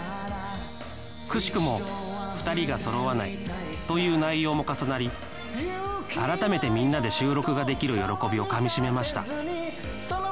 くしくも２人がそろわないという内容も重なり改めてみんなで収録ができる喜びをかみ締めました